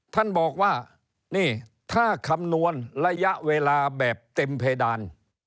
ท่านบอกว่านี่ถ้าคำนวณระยะเวลาแบบเต็มเพดาน